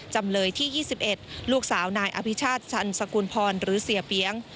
จำเลยที่๒๑ลูกสาวนายอภิชาติชันสกุลพรหรือเสียเปี๊ยง